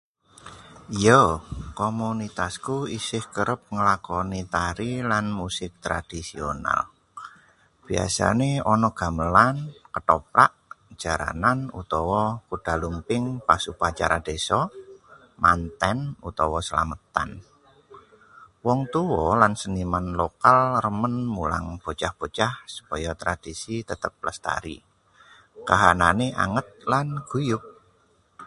Ya, komunitasku isih kerep ngelakoni tari lan musik tradisional. Biasane ana gamelan, kethoprak, jaranan utawa kuda lumping pas upacara desa, manten, utawa slametan. Wong tuwa lan seniman lokal remen mulang bocah-bocah supaya tradisi tetep lestari. Kahanane anget lan guyub.